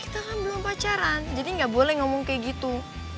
kita kan belum pacaran jadi nggak boleh ngomong kayak gitu